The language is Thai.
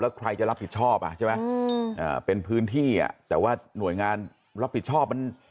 แล้วใครจะรับผิดชอบเป็นพื้นที่แต่ว่าหน่วยงานรับผิดชอบ